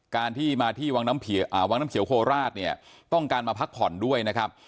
การที่มาที่วังน้ำเขียวโคราชเนี่ยต้องการมาพักผ่อนด้วยนะครับ